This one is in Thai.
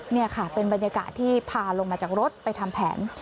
นี่ค่ะเป็นบรรยากาศที่พาลงมาจากรถไปทำแผน